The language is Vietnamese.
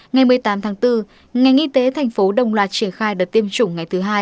ngày một mươi tám tháng bốn ngành y tế thành phố đồng loạt triển khai đợt tiêm chủng ngày thứ hai